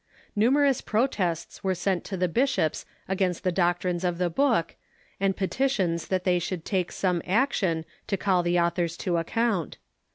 Numerous protests were sent to the bishops against the doc trines of the book, and petitions that they should take some ac tion to call the authors to account.